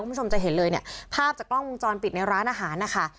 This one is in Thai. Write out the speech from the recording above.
คุณผู้ชมจะเห็นเลยเนี่ยภาพจากกล้องวงจรปิดในร้านอาหารนะคะ